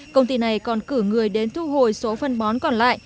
công ty này còn cử người đến thu hồi số phân bón còn lại